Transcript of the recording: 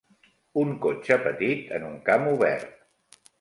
Un cotxe petit en un camp obert.